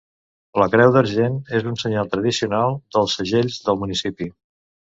La creu d'argent és un senyal tradicional dels segells del municipi.